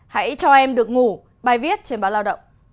hãy cho em được ngủ bài viết trên báo lao động